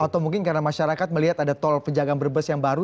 atau mungkin karena masyarakat melihat ada tol penjagaan brebes yang baru